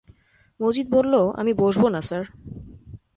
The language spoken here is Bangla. মজিদ বলল, আমি বসব না স্যার।